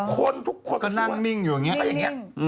คนทุกคนก็นั่งนิ่งอยู่อย่างนี้